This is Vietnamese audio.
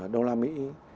đô la mỹ